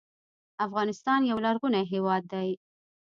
افغانستان یو لرغونی هېواد دی